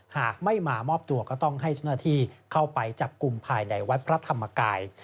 หากไม่มามอบตัวก็ต้องให้เจ้าหน้าที่เข้าไปจับกลุ่มภายในวัดพระธรรมกาย